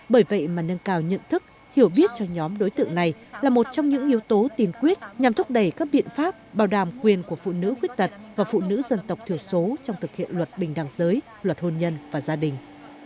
bởi vậy mà nâng cao nhận thức hiểu biết cho nhóm đối tượng này là một trong những yếu tố tiền quyết nhằm thúc đẩy các biện pháp bảo đảm quyền của phụ nữ khuyết tật và phụ nữ dân tộc thiểu số trong thực hiện luật bình đẳng giới luật hôn nhân và gia đình